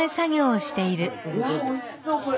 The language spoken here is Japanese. うわっおいしそうこれ。